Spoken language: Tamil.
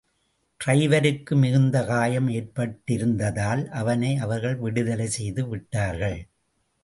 டிரைவருக்கு மிகுந்த காயம் ஏற்பட்டிருந்ததால் அவனை அவர்கள் விடுதலை செய்து விட்டார்கள்.